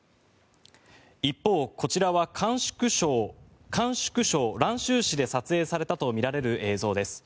一方、こちらは甘粛省蘭州市で撮影されたとみられる映像です。